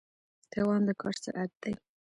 توان د کار سرعت دی.